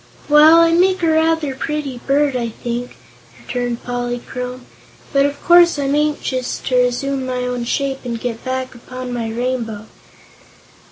"Well, I make a rather pretty bird, I think," returned Polychrome, "but of course I'm anxious to resume my own shape and get back upon my rainbow."